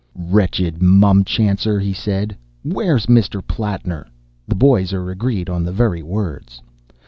"Wretched mumchancer!" he said. "Where's Mr. Plattner?" The boys are agreed on the very words.